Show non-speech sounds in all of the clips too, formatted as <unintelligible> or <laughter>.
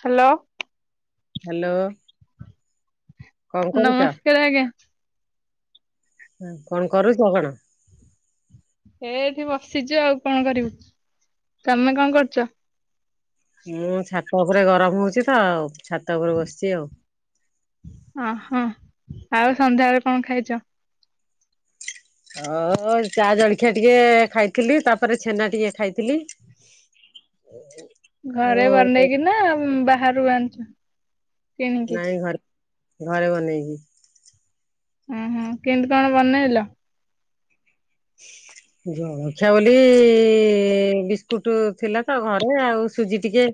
Hello. Hello. ନମସ୍କାର ଆଜ୍ଞା। କଣ କରୁଛ କଣ? ଏ ଏଠି ବସିଛୁ ଆଉ କଣ କରିବୁ। ତମେ କଣ କରୁଛ? ମୁଁ ଛାତ ଉପରେ ଗରମ ହଉଛି ତ ଆଉ। ଛାତ ଉପରେ ବସିଛି ଆଉ। ଓହୋ ଆଉ ସନ୍ଧ୍ୟାବେଳେ କଣ ଖାଇଛ? ହଁ ଚା ଜଳଖିଆ ଟିକେ ଖାଇଥିଲି ତାପରେ ଛେନା ଟିକେ ଖାଇଥିଲି। ଘରେ ଆଉ ବନେଇକି ନା ବାହାରୁ ଆଣିଛ। କିଣିକି? ନାଇଁ ଘରେ। ଘରେ ବନେଇକି। ହଁ ହଁ କେମତି କଣ ବନେଇଲ? ଜଳଖିଆ ବୋଲି ବିସ୍କୁଟ ଥିଲା ତ ଘରେ ଆଉ ସୁଜି ଟିକେ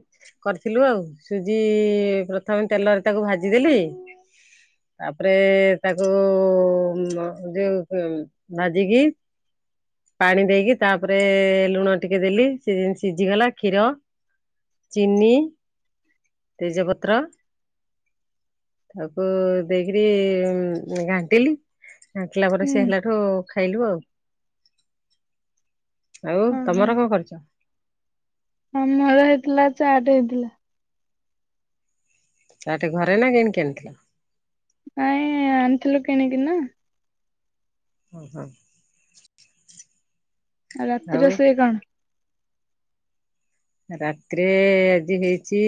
କରିଥିଲୁ ଆଉ ସୁଜି ପ୍ରଥମେ ତେଲରେ ତାକୁ ଭାଜିଦେଲି ତାପରେ ତାକୁ ଯୋଉ ଭାଜିକି ପାଣି ଦେଇକି ତାପରେ ଲୁଣ ଟିକେ ଦେଲି ସେ ଯେମିତି ସିଝିଗଲା କ୍ଷୀର, ଚିନି ତେଜପତ୍ର ତାକୁ ଦେଇକିରି ଘାଣ୍ଟିଲି। ଘାଟିଲା ପରେ ହୁଁ ସିଏ ହେଲାଠୁ ଖାଇଲୁ ଆଉ। ଆଉ ହଁ ତମର କଣ କରିଛ? ହଁ ମର ହେଇଥିଲା ଚାଟ ହେଇଥିଲା। ଚାଟ ଘରେ ନା କିଣିକି ଆଣିଥିଲ? ନାହିଁ ଆଣିଥିଲୁ କିଣିକି ନା। ହୁଁ ହୁଁ । ଆଉ ରାତି ରୋଷେଇ କଣ? ରାତିରେ ଆଜି ହେଇଛି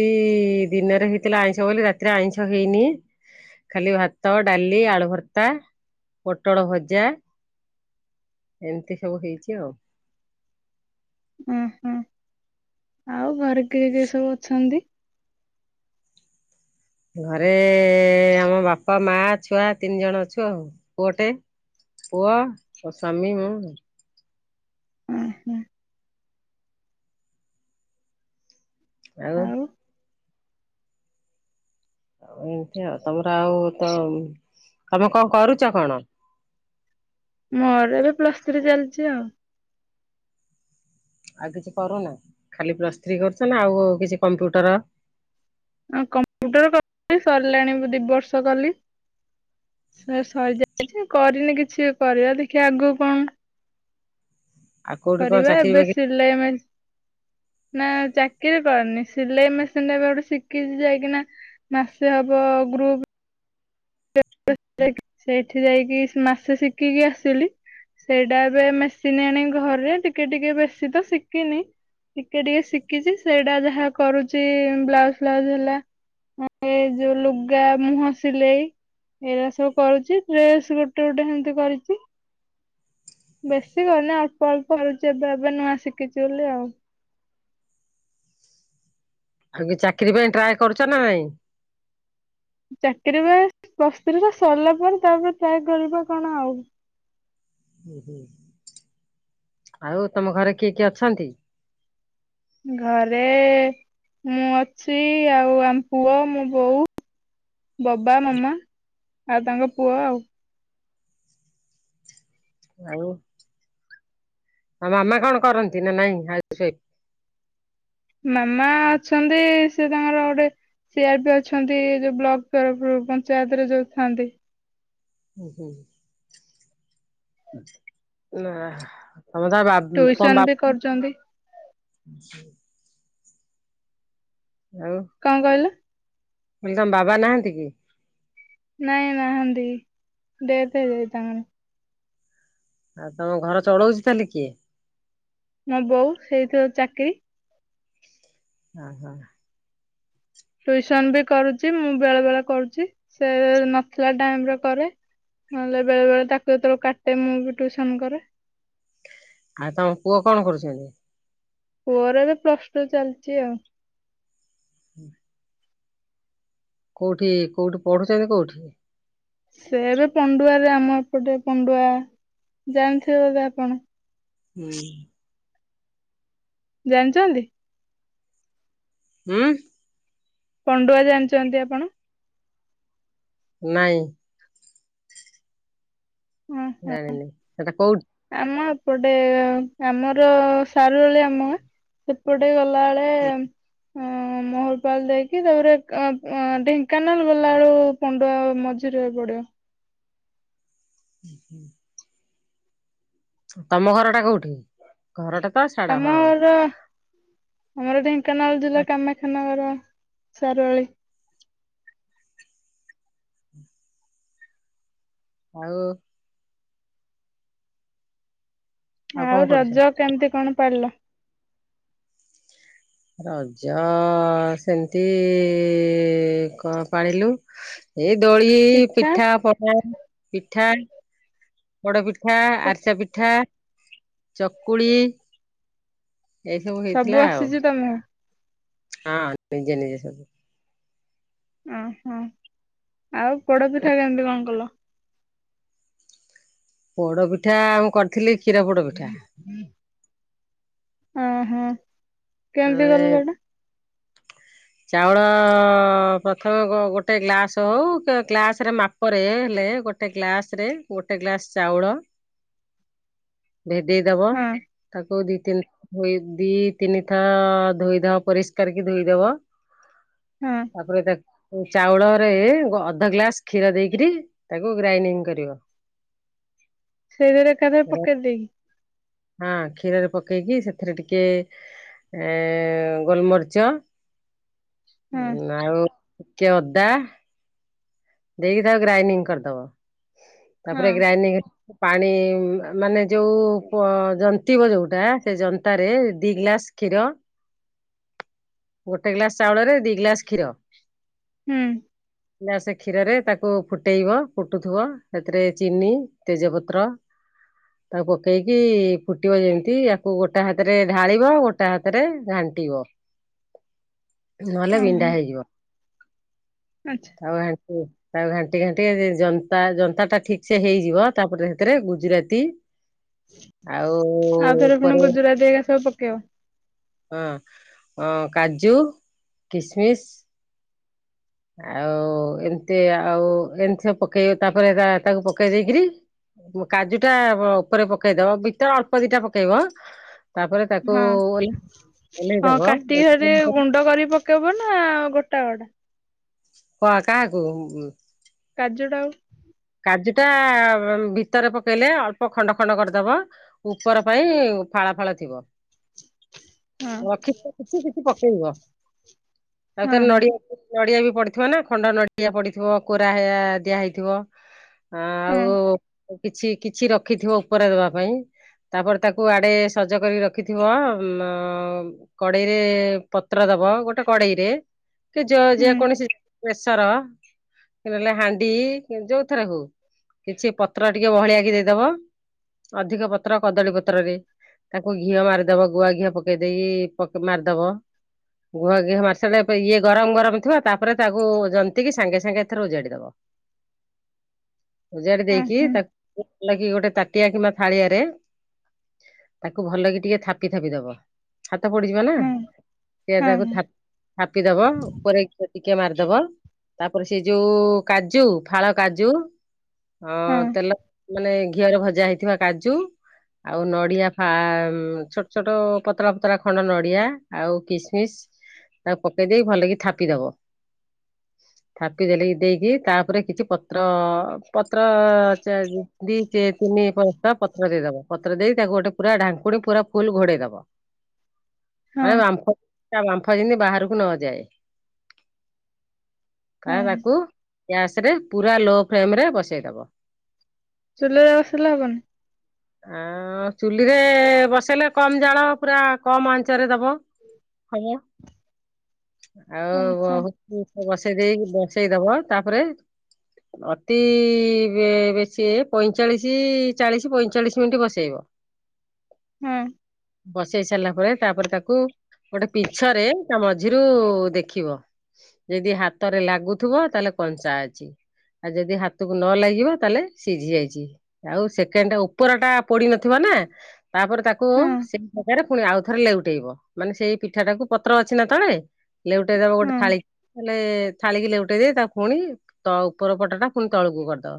ଦିନରେ ହେଇଥିଲା ଆଇଁଷ ବୋଲି ରାତିରେ ଆଇଁଷ ହେଇନି ଖାଲି ଭାତ ଡାଲି ଆଳୁ ଭର୍ତ୍ତା ପୋଟଳ ଭଜା ଏମିତି ସବୁ ହେଇଛି ଆଉ। ଉଁ ହୁଁ ଆଉ ଘରେ କିଏ କିଏ ସବୁ ଅଛନ୍ତି? ଘରେ ଆମ ବାପା, ମା ଛୁଆ ତିନି ଜଣ ଅଛୁ ଆଉ। ପୁଅଟେ ପୁଅ ମୋ ସ୍ଵାମୀ, ମୁଁ। ଉଁ ହୁଁ ଆଉ। ଆଉ ଏମତି ଆଉ ତମର ଆଉ ତ ତମେ କଣ କରୁଛ କଣ? ମୋର ଏବେ ପ୍ଲସ୍ ଥ୍ରୀ ଚାଲିଛି ଆଉ। ଆଉ କିଛି କରୁନା ଖାଲି ପ୍ଲସ୍ ଥ୍ରୀ କରୁଛ ନା ଆଉ କିଛି କମ୍ପ୍ୟୁଟର ଆ କମ୍ପ୍ୟୁଟର କ ସରିଲାଣି ଦି ବର୍ଷ କଲି ସେ ସରିଯାଇଛି। କରିନି କିଛି କରିବା ଦେଖିବା ଆଗକୁ କଣ? ଆଉ କୋଉଠି କଣ କରିବା ଚାକିରି ଏବେ ବାକିରି ସିଲେଇ ମେସିନ୍ ନା ଚାକିରି କରିନି ସିଲେଇ ମେସିନା ଏ ଗୋଟେ ଶିଖିଛି ଯାଇକିନା ମାସେ ହବ ।ଗ୍ରୁପ ସେଇଠି ଯାଇକି ମାସେ ଶିଖିକି ଆସିଲି। ସେଇଟା ଏବେ ମେସିନ୍ ଆଣି ଘରେ ଟିକେ ଟିକେ ବେଶୀ ତ ଶିଖିନି ଟିକେ ଟିକେ ଶିଖିଛି ସେଇଟା ଯାହା କରୁଛି। ବ୍ଲାଉଜ ଫ୍ଲାଉଜ ହେଲା ଯୋଉ ଲୁଗା ମୁହଁ ସିଲେଇ ଏଇଟା ସବୁ କରୁଛି ଡ୍ରେସ ଗୋଟେ ଗୋଟେ ସେମିତି କରିଛି। ବେଶୀ କରିନି ଅଳ୍ପ ଅଳ୍ପ ହେଲଛି <unintelligible> ଏବେ ଏବେ ନୂଆ ଶିଖିଛି ବୋଲି ଆଉ। ଆଉ କି ଚାକିରି ପାଇଁ ଟ୍ରାଏ କରୁଛ ନା ନାଇଁ? ଚାକିର ବା ବସ୍ତତିଟ ସରିଲା ପରେ ତାପରେ ଟ୍ରାଏ କରିବା କଣ ଆଉ। ଓ ହୁ ଆଉ ତମ ଘରେ କିଏ କିଏ ଅଛନ୍ତି? ଘରେ ମୁଁ ଅଛି ଆଉ ଆମ ପୁଅ ମୋ ବୋଉ, ବାବା ମାମା, ଆଉ ତାଙ୍କ ପୁଅ ଆଉ। ଆଉ ଆଉ ମାମା କଣ କରନ୍ତି ନା ନାଇଁ? ମାମା ଅଛନ୍ତି ସେ ତାଙ୍କର ଗୋଟେ ସିଆର ପି ଅଛନ୍ତି ଯୋଉ ବ୍ଲକ ତରଫରୁ ପଞ୍ଚାୟତରେ ଯୋଉ ଥାନ୍ତି। ହ ହୁଁ ନା <inaudible> ତମ ଟୁସନ ବା ବି କରୁଛନ୍ତି। <inaudible> କଣ କହିଲ? କ ତମ ବାବା ନାହାନ୍ତି କି? ନାଇଁ ନାହାନ୍ତି ଡେଥ ହେଇ ଯାଇ ତାଙ୍କର। ଆଉ ତମ ଘର ଚଳଉଛି ତାହଲେ କିଏ? ମୋ ବୋଉ ସେଇଥିବ ଚାକିରି ହ ହଁ <inaudible> ଟ୍ୟୁଉସନ ବି କରୁଛି ମୁଁ ବେଳେ ବେଳେ କରୁଛି ସେ ନଥିଲା ଟାଇମ ରେ କରେ। ନହେଲେ ବେଳେ ବେଳେ ତାକୁ ଯେତେବେଳେ କାଟେ ମୁଁ ବି ଟ୍ୟୁଉସନ କରେ। ଆଉ ତମ ପୁଅ କଣ କରୁଛନ୍ତି? ପୁଅର ଏବେ ପ୍ଲଶଟୁ ଚାଲିଛି ଆଉ। ହୁଁ <inaudible> କୋଉଠି କୋଉଠି ପଢୁଛନ୍ତି କୋଉଠି? ସେ ଏବେ ପଣ୍ଡୁଆରେ ଆମ ଏପଟେ ପଣ୍ଡୁଆ ଜାଣିଥିବ ବୋଧେ ଆପଣ? ହୁଁ <inaudible> ଜାଣିଛନ୍ତି? ହଁ <inaudible> ପଣ୍ଡୁଆ ଜାଣିଛନ୍ତି ଆପଣ? ନାହିଁ। ହଁ ଜାଣିନୀ ସେଟା କୋଉଠି? ସେପଟେ ଆମର ସାରୁ ହେଳି ଆମ ସେପଟେ ଗଲା ଳଳେ ହଁ ମୋହରପାଲ୍ ଦେଇକି ତାପରେ ଢେଙ୍କାନାଳ ଗଲା ବେଳୁ ପଣ୍ଡୁଆ ମଝିରେ ପଡିବ । <inaudible> ତମ ଘରଟା କୋଉଠି ଘରଟା? ତ ଛାଢ ହଁ। ମୋର ଦେମ କାନାଳ ଜିଲ୍ଲଲା ଆଉ କାମାଖାନାାଗର । ସାରୁଆଳି ଆଉ। କଣ ଆଉ କରୁଛ? ରଜ କେମ୍ତି କଣ ପାଳିଲ? ରଜ ସେମତି କଣ ପାଳିଲୁ ଏ ଦଳୀ ହେଇ ଏଇ ପିଠା ପଣା ପିଠା ପୋଡ ପି ପିଠା ଆରିସା ପିଠା ଚକୁଳି ଏଇ ହେଇଥିଲା ସବୁ ଆଉ ଆସିଚି ତମକୁ? ହଁ ନିଜେ ନିଜେ ସବୁ। ଓ ହୋ। ଆଉ ପୋଡ ପିଠା କେମିତି କଣ କଲ? ପୋଡ ପିଠା ମୁଁ କରିଥିଲି। କ୍ଷୀର ପୋଡ ପିଠା <inaudible> ଅ ହଁ। କେମିତି କଲୁ ଆମେ ଗଇଲ? ଚାଉଳ ପ୍ରଥମେ ଗୋଟେ ଗ୍ଲାସ ହଉ ଗ୍ଲାସ ରେ ମାପରେ ହେଲେ ଗୋଟେ ଗ୍ଲାସ ରେ ଗୋଟେ ଗ୍ଲାସ ଚାଉଳ ଭେଦେଇ ଦବ ହଁ ତାକୁ ଦିଇ ତିନି ଦିଇ ତିନି ଥା ଧୋଇଦବ ପରିଷ୍କାର କି ଧୋଇଦବ ହଁ ତାପରେ ତାକୁ ଚାଉଳରେ ଅଧ ଗ୍ଲାସ କ୍ଷୀର ଦେଇକରି ତାକୁ ଗ୍ରାଇଣ୍ଡିଙ୍ଗ କରିବ। ସେଇଥିରେ ଏକାଥ ରେ ପକେଇ ଦେଇ ହଁ କ୍ଷୀରରେ ପକେଇକି ସେଥିରେ ଟିକେ ଏ ଗୋଲମରିଚ। ହଁ ହୁଁ ଆଉ? ଟିକେ ଅଦା ଦେଇକି ତା ଗ୍ରାଇଡିଙ୍ଗ କରି ଦବ। ତାପରେ ହଁ ଗ୍ରାଇଣ୍ଡିଙ୍ଗ୍ ପାଣି ମାନେ ଯୋଉ ଜନ୍ତିବ ଯୋଉଟା ସେ ଜନ୍ତାରେ ଦି ଗ୍ଲାସ କ୍ଷୀର ଗୋଟେ ଗ୍ଲାସ ଚାଉଳରେ ଦି ଗ୍ଲାସ କ୍ଷୀର। ହୁଁ। <inaudible> କ୍ଷୀରରେ ତାକୁ ଫୁଟେଇବ ଫୁଟୁଥିବ, ସେଥିରେ ଚିନି ତେଜପତ୍ର ତାକୁ ପକେଇକି ଫୁଟିବ ଯେମିତି ତାକୁ ଗୋଟା ହାତରେ ଢାଳିବ ଗୋଟା ହାତରେ ଘାଣ୍ଟିବ। ନହଲେ ଓହୋ ବିଣ୍ଡା ହେଇଯିବ। ଆଚ୍ଛା ଆଉ ଘା ତାକୁ ଘାଣ୍ଟି ଘାଣ୍ଟି ଜନ୍ତା ଜନ୍ତା ଟା ଠିକ୍ ସେ ହେଇଯିବ, ତାପରେ ସେଥିରେ ଗୁଜୁରାତି ଆଉ ଆଉଥରେ ପୁଣି ଉପରେ ଗୁଜୁରାତି ହେଇକା ସବୁ ପକେଇବ। ହଁ, କାଜୁ, କିସମିସ ଆଉ ଏମିତି ଆଉ ଏମିତି ପକେଇବ ତାପରେ ତାକୁ ପକେଇ ଦେଇକରି କାଜୁ ଟା ଉପରେ ପକେଇଦବ ଭିତ ଅଳ୍ପ ଦିଟା ପକେଇବ। ତାପରେ ତାକୁ ହଁ ଓହ୍ଲେଇ ଓହ୍ଲେଇଦବ ହଁ କାଟିକି ଗୁଣ୍ଡ କରି ପକେଇବ ନା ଗୋଟା ଗୋଟା ହଁ କାହାକୁ? କାଜୁ ଟାକୁ କାଜୁ ଟା ଭିତରେ ପକେଇଲେ ଅଳ୍ପ ଖଣ୍ଡ ଖଣ୍ଡ କରିଦବ, ଉପର ପାଇଁ ଫାଳା ଫାଳ ଥିବ। ହଁ ରଖିଥିବ କିଛି କିଛି ପକେଇବ। ତା ହଁ ଦେହରେ ହଁ ନଡ଼ିଆ ନଡ଼ିଆ ବି ପଡିଥିବ ନା ଖଣ୍ଡ ନଡ଼ିଆ ପଡିଥିବ, କୋରା ଦିଆ ହେଇଥିବ। ହଁ ଆଉ କିଛି କିଛି ରଖିଥିବ ଉପରେ ଦବା ପାଇଁ ତାପରେ ତାକୁ ଆଡେ ସଜ କରିକି ରଖିଥିବ ଉ କଡେଇରେ ପତ୍ର ଦବ ଗୋଟେ କଡେଇରେ। ସେ ହୁଁ ଯେକୌଣସି ପ୍ରେସର, କି ନହେଲେ ହାଣ୍ଡି। ଯୋଉଥରେ ହଉ କିଛି ପତ୍ର ଟିକେ ବହଳିଆ କି ଦେଇଦବ ଅଧିକ ପତ୍ର କଦଳୀ ପତ୍ରରେ ତାକୁ ଘିଅ ମାରିଦବ ଗୁଆ ଘିଅ ପକେଇ ଦେଇକି ମାରିଦବ ଗୁଆ ଘିଅ ମାରି ସାରିଲେ ଇଏ ଗରମ ଗରମ ଥିବ ତାପରେ ତାକୁ ଜନ୍ତିକି ସାଙ୍ଗେ ସାଙ୍ଗେ ଏଥର ଉଜାଡି ଦବ। ଉଜାଡ଼ି ହଁ ଦେଇକି ହୁଁ ତାକୁ <inaudible> ତାଟିଆ କିମ୍ବା ଥାଳିଆରେ, ତାକୁ ଭଲ କି ଟିକେ ଥାପି ଥାପି ଦବ। ହାତ ପୋଡିଯିବ ନା, ହଁ ସେ ତାକୁ ହଁ। ଥାପିଦବ ଉପରେ ଘିଅ ଟିକେ ମାରିଦବ। ତାପରେ ସେ ଯୋଉ କାଜୁ ଫାଳ କାଜୁ ହଁ ତେଲ ମାନେ ଘିଅରେ ଭଜା ହେଇଥିବା କାଜୁ, ଆଉ ନଡିଆ ଫା ଛୋଟ ଛୋଟ ପତଳା ପତଳା ଖଣ୍ଡ ନଡ଼ିଆ, ଆଉ କିସମିସ, ତାକୁ ପକେଇ ଦେଇକି ଭଲକି ଥାପିଦବ। ଥାପି ଦେଲି ଦେଇକି ତା ଉପରେ କିଛି ପତ୍ର ପତ୍ର ଦି ତିନି ପତ୍ର ଦେଇଦବ ପତ୍ର ଦେଇ ତାକୁ ଗୋଟେ ପୁରା ଢାଙ୍କୁଣୀ ପୁରା ଫୁଲ ଘୋଡେଇ ଦବ। ହଁ ମାନେ ବାମ୍ଫ ତା ବାମ୍ଫ ଯେମତି ବାହାରକୁ ନଯାଏ । ହଁ ଖାଇବାକୁ ଗ୍ୟାସରେ ପୁରା ଲୋ ଫ୍ଲେମ୍ ରେ ବସେଇଦବ। ଚୁଲାରେ ବସିଲେ ହବନି? ଆ ଚୁଲିରେ ବସେଇଲେ କମ ଜାଳ ପୁରା କମ ଆଞ୍ଚରେ ଦବ ହବ ଆଉ ହଁ ହଁ ବହୁତ ବସେଇ ଦେଇି ବ ସେଇବ ତାପରେ ଅତି ବେଶୀ ପଇଁଚାଳିଶ ଚାଳିଶ ପଇଁଚାଳିଶ ମିନିଟ ବସେଇବ ହୁଁ ବସେଇ ସାରିଲା ପରେ ତାପରେ ତାକୁ ଗୋଟେ ପିଛରେ ତା ମଝିରୁ ଦେଖିବ ଯଦି ହାତରେ ଲାଗୁଥିବ ତାହେଲେ କଞ୍ଚା ଅଛି ଆଉ ଯଦି ହାତକୁ ନ ଲାଗିବ ତାହେଲେ ସିଝି ଯାଇଛି ଆଉ ସେକେଣ୍ଡ ଟା ଉପର ଟା ପୋଡି ନଥିବା ନା ତାପରେ ତାକୁ ହଁ ସେଇ ପ୍ରକାରେ ପୁଣି ଆଉ ଥରେ ଲେଉଟେଇବ ମାନେ ସେଇ ପିଠା ଟାକୁ ପତ୍ର ଅଛି ନା ତଳେ ହେଲେ ଗୋଟେ ଦବ ଗୋଟେ ହଁ ଥାଳି ହେଲେ ଥାଳୀ କି ଲେଉଟାଇ ଦେଇ ପୁଣି ତ ଉପର ପଟ ଟା ପୁଣି ତଳକୁ କରିଦବ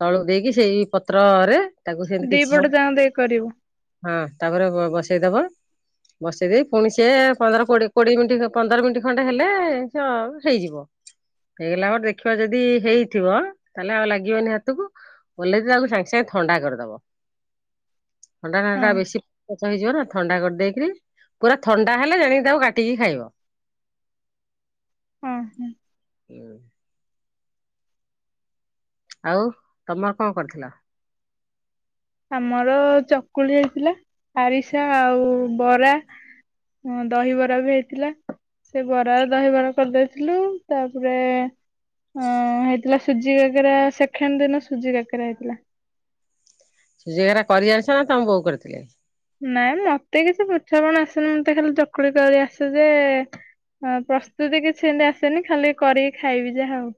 ତଳକୁ ଦେଇକି ସେଇ ପତ୍ର ତାକୁ ସେମତି କି ହଁ ଦିପଟ ଯାକ ଦେଇ କରିବୁ ତାପରେ ବସେଇଦବ ବସେଇଦ ପୁଣି ସିଏ ପନ୍ଦରୋ କୋଡିଏ ମିନିଟ ପନ୍ଦର ମିନିଟ୍ ଖଣ୍ଡେ ହେଲେ ସ ହେଇଯିବ। ହେଇଗଲା ପରେ ଦେଖିବା ଯଦି ହେଇଥିବ ତାହେଲେ ଆଉ ଲାଗିବନି ହାତକୁ ଓଲେହିକିତାକୁ ସାଙ୍ଗେ ସାଙ୍ଗେ ଥଣ୍ଡା କରିଦବ। ଥଣ୍ଡା ହଁ ଥଣ୍ଡା ବେଶୀ ପଚ ହେଇଯିବ ନା ଥଣ୍ଡା କରିଦେଇକରି ପୁରା ଥଣ୍ଡା ହେଲେ ଜାଣିକି ତାକୁ କାଟିକି ଖାଇବ। ହୁଁ ହୁଁ। ହୁଁ। ଆଉ ତମର କଣ କରିଥିଲ? ଆମର ଚକୁଳି ହେଇଥିଲା ଆରିସା ଆଉ ବରା ଦହିବରା ବି ହେଇଥିଲା ସେ ବରାରେ ଦହିବରା କରିଦେଇଥିଲୁ ତାପରେ ହେଇଥିଲା ସୁଜି କାକେରା ସେକେଣ୍ଡ ଦିନ ସୁଜି କାକେରା ହେଇଥିଲା। ସୁଝି କାକରା କରିଆସେ ନା ତମେ ବୋଉ କରିଥିଲେ। ନାଇଁ ମତେ କିଛି ପିଠାପଣ ଆସେନି ମତେ ଖାଲି ଚକୁଳି କରି ଆସେ ଯେ ପ୍ରସ୍ତୁତି କିଛି ଏମତି ଆସେନି ଖାଲି କରିକି ଖାଇବି ଯାହା ହଉ।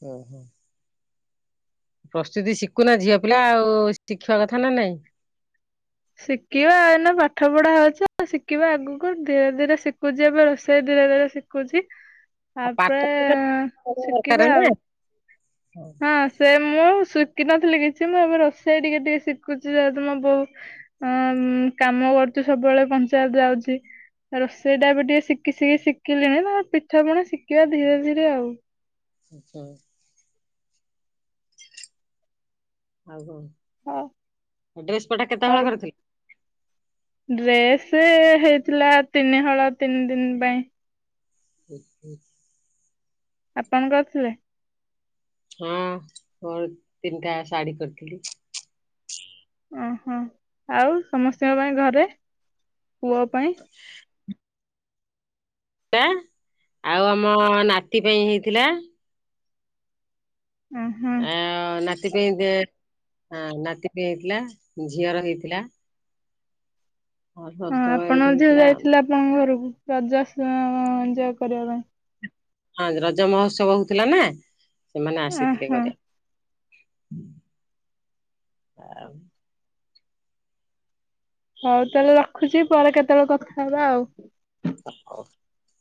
ହୁଁ ହୁଁ। ପ୍ରସ୍ତୁତି ଶିଖୁନା ଝିଅ ପିଲା ଆଉ ଶିଖିବା କଥା ନା ନାଇଁ। ଶିଖିବା ଏଇନା ପାଠ ପଢା ହଉଛି ଶିଖିବା ଆଗକୁ ଧୀରେ ଧୀରେ ଶିଖୁଛି ଏବେ ରୋଷେଇ ଧୀରେ ଧୀରେ ଶିଖୁଛି। ଆଉ ପାଠ ତାପରେ ଶିଖିବା ଦରକାର ନା ଆଉ। ହଁ ସେ ମୁଁ ଶିଖିିନଥିଲି କିଛି ମୁଁ ଏବେ ରୋଷେଇ ଟିକେ ଟିକେ ଶିଖୁଛି ଯହେତୁ ମୋ ବୋଉ ବହୁତ କାମ କରୁଛି ସବୁବେଳେ ପଞ୍ଚାୟତ ଯାଉଛି ରୋଷେଇ ଟା ଏବେ ଟିକେ ଶିଖି ଶିଖି ଶିଖିଲିଣି ତା ପିଠା ପଣା ଶିଖିବା ଧୀରେ ଧୀରେ ଆଉ। ଆଛା। ଆଉ କଣ? ହଁ ଡ୍ରେସ ପଟା କେତେ ଆଉ ହଳ କରିଥିଲ। ଡ୍ରେସ ହେଇଥିଲା ତିନିହଳ ତିନି ଦିନ ପାଇଁ। <unintelligible> ଆପଣ କରିଥିଲେ। ହଁ ମୋର ତିନିଟା ଶାଢୀ କରିଥିଲି। ଓହୋ ଆଉ ସମସ୍ତଙ୍କ ପାଇଁ ଘରେ ପୁଅ ପାଇଁ? ଆଉ ଆମ ନାତି ପାଇଁ ହେଇଥିଲା। ହଁ ହୁଁ। ଥିପାଇ ନାତି ପାଇଁ ହେଇଥିଲା ଝିଅର ହେଇଥିଲା। ଆଉ ହଁ ସମସ୍ତଙ୍କର ଆପଣଙ୍କ ଏମିତି ଝିଅ ହେଇଥିଲା ଆଉ। ଯାଇଥିଲା ଆପଣଙ୍କ ଘରକୁ। ରଜ ଏଞ୍ଜୟ୍ କରିବା ପାଇଁ। ହଁ ରଜ ମହୋତ୍ସବ ହଉଥିଲା ନା। ସେମାନେ ଆସିଥିଲେ ଓହୋ କରିବା। ଆଉ ହଉ ତାହେଲେ ରଖୁଛି ପରେ କେତେବେଳେ କଥା ହେବା ଆଉ। <unintelligible>